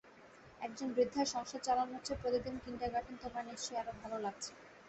একজন বৃদ্ধার সংসার চালানর চেয়ে প্রতিদিন কিণ্ডারগার্টেন তোমার নিশ্চই আরও ভাল লাগছে।